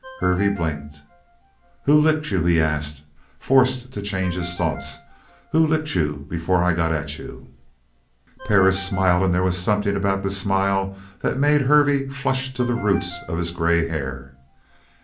Hervey blinked. "Who licked you?" he asked, forced to change his thoughts. "Who licked you before I got at you?" Perris smiled, and there was something about the smile that made Hervey flush to the roots of his grey hair.